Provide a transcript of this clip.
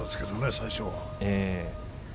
最初は。